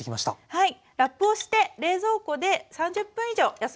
はい。